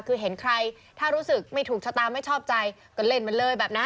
คือเห็นใครถ้ารู้สึกไม่ถูกชะตาไม่ชอบใจก็เล่นมันเลยแบบนั้น